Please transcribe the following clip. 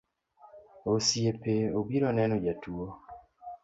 Osiepe obiro neno jatuo